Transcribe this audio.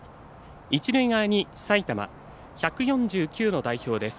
一塁側に埼玉１４９の代表です。